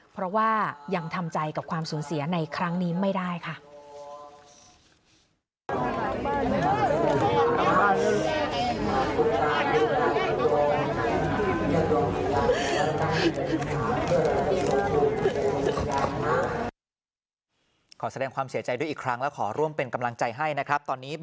เพราะว่ายังทำใจกับความสูญเสียในครั้งนี้ไม่ได้ค่ะ